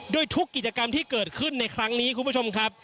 ทุกกิจกรรมที่เกิดขึ้นในครั้งนี้คุณผู้ชมครับ